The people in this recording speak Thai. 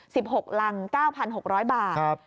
หกรังเก้าพันหกร้อยบาทครับ